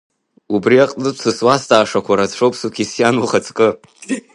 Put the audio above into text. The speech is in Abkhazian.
Убри аҟнытә сзызуазҵаашақәа рацәоуп Суқьессиан, ухаҵкы!